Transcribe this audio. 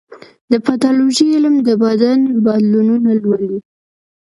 د پیتالوژي علم د بدن بدلونونه لولي.